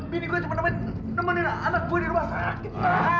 bini gue cuma nemenin anak gue di rumah sakit